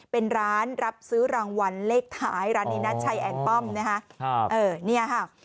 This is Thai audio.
เป็นร้านรับซื้อรางวัลเลขท้ายร้านนี้นัดชัยแอลป้อมนะค่ะ